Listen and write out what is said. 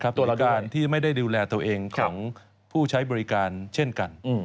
ตัวการที่ไม่ได้ดูแลตัวเองของผู้ใช้บริการเช่นกัน